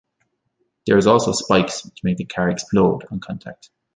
There is also spikes, which make the car "explode" on contact.